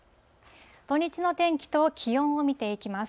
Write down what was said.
土日の天気と気温を見ていきます。